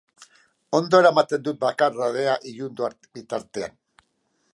Oso ondo eramaten dut bakardadea ilundu bitartean.